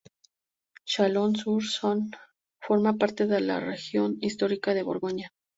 Chalon-sur-Saône forma parte de la región histórica de Borgoña.